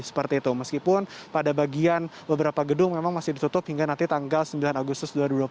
seperti itu meskipun pada bagian beberapa gedung memang masih ditutup hingga nanti tanggal sembilan agustus dua ribu dua puluh satu